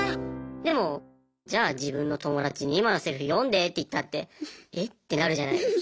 でもじゃあ自分の友達に今のセリフ読んでって言ったってえ？ってなるじゃないですか。